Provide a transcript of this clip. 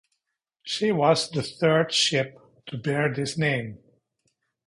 She was the third ship to bear this name.